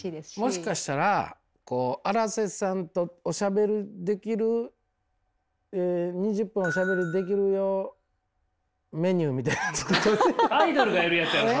もしかしたら荒瀬さんとおしゃべりできる２０分おしゃべりできるよメニューみたいなの作っといて。